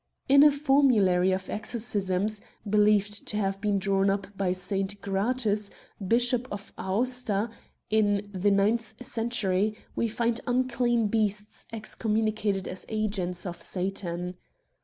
In a formulary of exorcisms, believed to have been drawn up by S. Gratus, Bishop of Aosta, in the ninth century, we find unclean beasts excommunicated as agents of Satan.